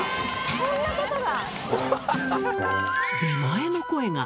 そんなことが！